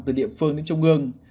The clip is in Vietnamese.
từ địa phương đến trung ương